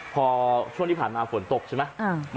พอช่วงที่ผ่านมาฝนตกใช่ไหม